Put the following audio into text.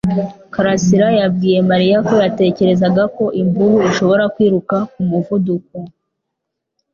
Karasira yabwiye Mariya ko yatekerezaga ko imvubu ishobora kwiruka ku muvuduko.